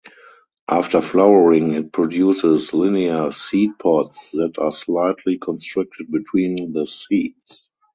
After flowering it produces linear Seed pods that are slightly constricted between the seeds.